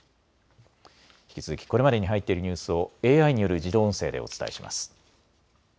引き続きこれまでに入っているニュースをＡＩによる自動音声でお伝えします。